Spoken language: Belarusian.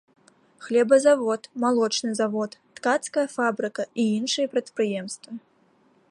Хлебазавод, малочны завод, ткацкая фабрыка і іншыя прадпрыемствы.